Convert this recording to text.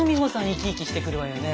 生き生きしてくるわよね。